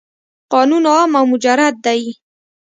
قانون عام او مجرد دی.